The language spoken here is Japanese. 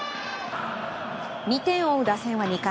２点を追う打線は２回。